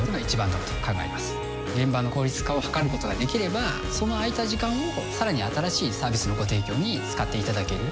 現場の効率化を図ることができればその空いた時間をさらに新しいサービスのご提供に使っていただける。